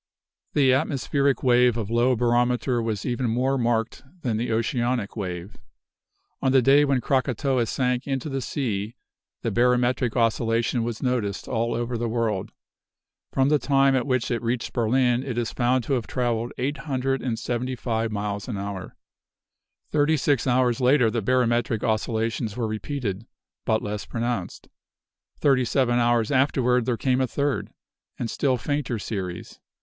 The atmospheric wave of low barometer was even more marked than the oceanic wave. On the day when Krakatoa sank into the sea, the barometric oscillation was noticed all over the world. From the time at which it reached Berlin, it is found to have travelled eight hundred and seventy five miles an hour. Thirty six hours later the barometric oscillations were repeated, but less pronounced. Thirty seven hours afterward there came a third, and still fainter series.